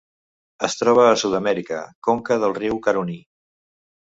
Es troba a Sud-amèrica: conca del riu Caroní.